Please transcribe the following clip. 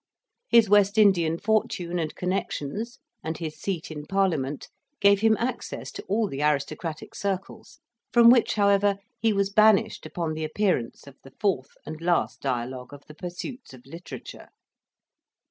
His West Indian fortune and connections, and his seat in Parliament, gave him access to all the aristocratic circles; from which, however, he was banished upon the appearance of the fourth and last dialogue of the Pursuits of Literature.